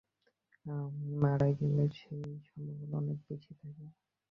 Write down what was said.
আমি মারা গেলে সেই সম্ভাবনা অনেক বেশি থাকে।